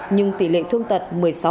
nhưng tỷ lệ thương tật một mươi sáu